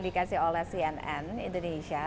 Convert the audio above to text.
dikasih oleh cnn indonesia